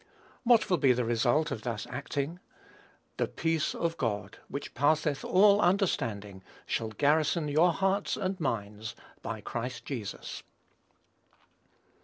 What will be the result of thus acting? "The peace of God, which passeth all understanding, shall garrison ([Greek: phrourêsei]) your hearts and minds by Christ Jesus."